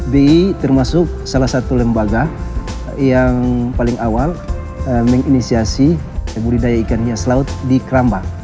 bi termasuk salah satu lembaga yang paling awal menginisiasi budidaya ikan hias laut di keramba